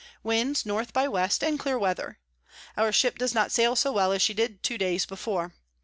Wind N. by W. and clear Weather. Our Ship does not sail so well as she did two days before.